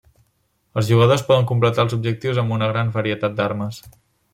Els jugadors poden completar els objectius amb una gran varietat d'armes.